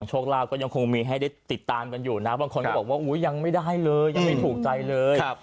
โชคลาภก็ยังคงมีให้ได้ติดตามกันอยู่นะบางคนก็บอกว่าอุ๊ยยังไม่ได้เลยยังไม่ถูกใจเลย